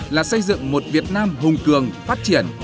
là xây dựng một việt nam hùng cường phát triển